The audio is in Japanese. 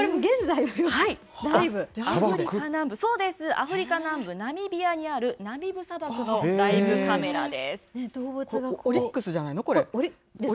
アフリカ南部ナミビアにある、ナミブ砂漠のライブカメラです。